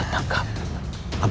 kita akan tertangkap